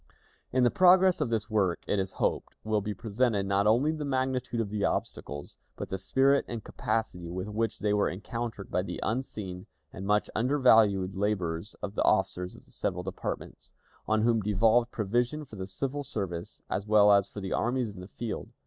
In the progress of this work, it is hoped, will be presented not only the magnitude of the obstacles, but the spirit and capacity with which they were encountered by the unseen and much undervalued labors of the officers of the several departments, on whom devolved provision for the civil service, as well as for the armies in the field.